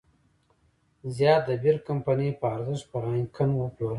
زیات د بیر کمپنۍ په ارزښت پر هاینکن وپلوره.